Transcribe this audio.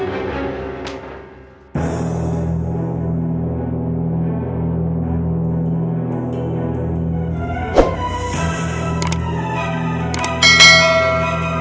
yang sepupu banget